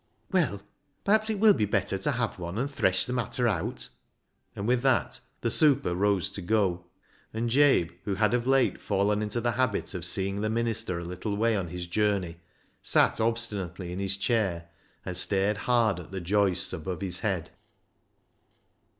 " Well, perhaps, it will be better to have one, and thresh the matter out," and with that the super rose to go, and Jabe, who had of late fallen into the habit of seeing the minister a little way on his journey, sat obstinately in his chair and stared hard at the joists above his head.